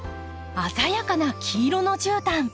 鮮やかな黄色のじゅうたん。